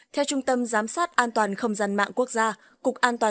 theo trung tâm giám sát an toàn không gian mạng quốc gia cục an toàn thông tin